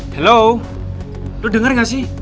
halo lo dengar gak sih